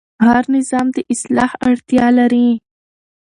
هر نظام د اصلاح اړتیا لري